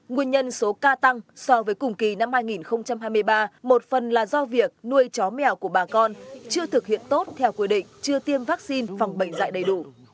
nguyên nhân số ca tăng so với cùng kỳ năm hai nghìn hai mươi ba một phần là do việc nuôi chó mèo của bà con chưa thực hiện tốt theo quy định chưa tiêm vaccine phòng bệnh dạy đầy đủ